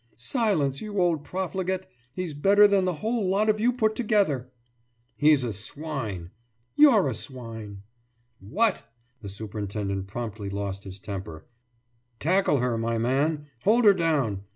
»Silence, you old profligate! He's better than the whole lot of you put together!« »He's a swine!« »You're a swine!« »What?« The superintendent promptly lost his temper. »Tackle her, my man! Hold her down.